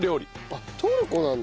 あっトルコなんだ。